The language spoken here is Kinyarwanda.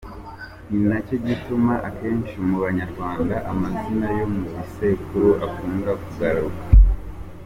Ninacyo gituma, akenshi mu Banyarwanda, amazina yo mu bisekuru akunda kugaruka.